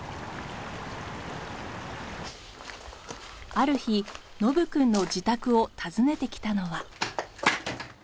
ある日ノブくんの自宅を訪ねてきたのは。